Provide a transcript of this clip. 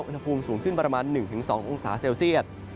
อุณหภูมิสูงขึ้นประมาณ๑๒องศาเซลเซียต